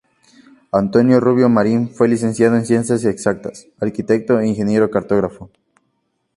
Antonio Rubio Marin fue licenciado en Ciencias Exactas, Arquitecto e Ingeniero cartógrafo.